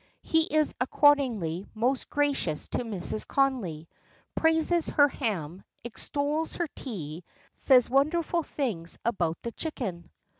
He is accordingly most gracious to Mrs. Connolly; praises her ham, extols her tea, says wonderful things about the chicken.